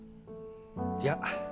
いや。